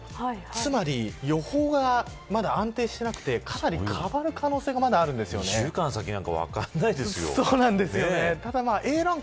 つまり予報がまだ安定していなくてかなり変わる可能性が２週間先なんか分かんないですよ。